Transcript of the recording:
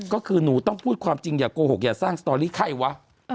ก็คือหนูต้องพูดความจริงอย่าโกหกอย่าสร้างสตอรี่ไข้วะ